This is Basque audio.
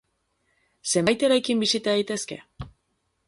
Zenbait eraikin bisita daitezke?